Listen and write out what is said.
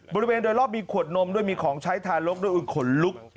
บริเวณโดยรอบมีขวดนมด้วยมีของใช้ทารกด้วยขนลุก